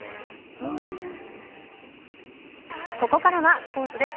ホーユーここからはスポーツです。